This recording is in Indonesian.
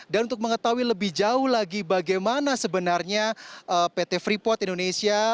dan untuk mengetahui lebih jauh lagi bagaimana sebenarnya pt freeport indonesia